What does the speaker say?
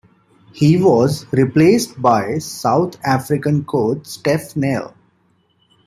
He was replaced by South African coach Steph Nel.